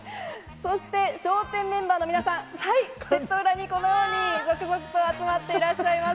そして、笑点メンバーの皆さん、セット裏にこのように続々と集まっていらっしゃいます。